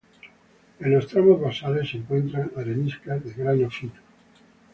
En los tramos basales se encuentran areniscas de grano fino.